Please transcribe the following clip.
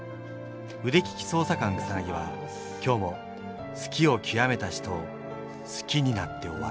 腕利き捜査官草は今日も好きをきわめた人を好きになって終わった